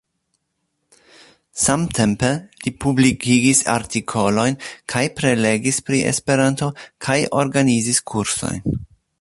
Samtempe li publikigis artikolojn kaj prelegis pri Esperanto kaj organizis kursojn.